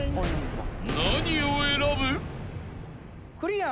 ［何を選ぶ？］